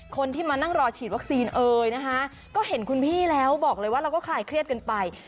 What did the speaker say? คนที่มานั่งรอฉีดวัคซีนเอ่ยนะคะก็เห็นคุณพี่แล้วบอกเลยว่าเราก็คลายเครียดกันไป